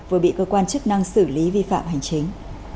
vừa bị cơ quan chức năng xử lý vi phạm hành chính